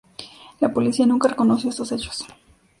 La policía nunca reconoció estos hechos.